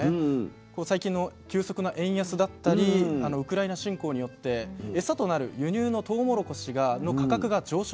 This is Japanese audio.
最近の急速な円安だったりウクライナ侵攻によってエサとなる輸入のトウモロコシの価格が上昇しているんですね。